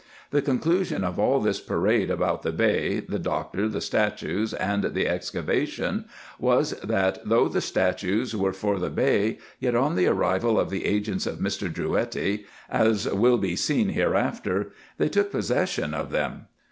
The conclusion of all tins parade about the Bey, the Doctor, the statues, and the excavation, was, that though the statues were for the Bey, yet on the arrival of the agents of Mr. Drouetti (as will be seen hereafter), they took possession of them.